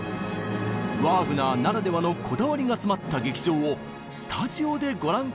ワーグナーならではのこだわりが詰まった劇場をスタジオでご覧下さい！